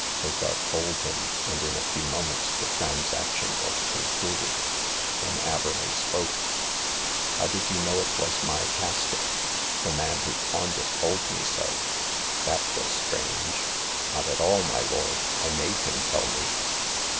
Hagar told him, and in a few mo ments the transaction was concluded. Then Averley spoke. " How did you know it was my casket ?"" The man who pawned it told me so." " That was strange." " Not at all, my lord. I made him tell me."